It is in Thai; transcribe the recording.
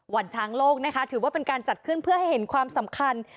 วันช้างโลกนะคะถือว่าเป็นการจัดขึ้นเพื่อให้เห็นความสำคัญ